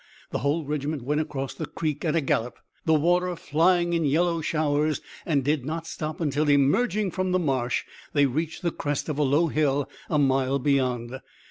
The whole regiment went across the creek at a gallop the water flying in yellow showers and did not stop until, emerging from the marsh, they reached the crest of a low hill a mile beyond.